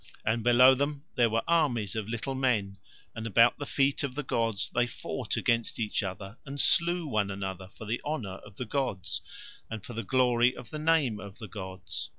And below them there were armies of little men, and about the feet of the gods they fought against each other and slew one another for the honour of the gods, and for the glory of the name of the gods.